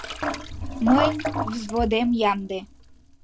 — Мыйын взводем ямде.